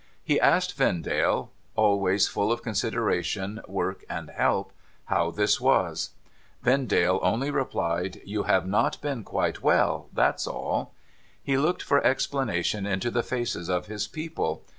He asked Vendale (always full of consideration, work, and help) how this was ? Vendale only replied, ' You have not been quite well ; that's all.' He looked for explanation into the faces of his people.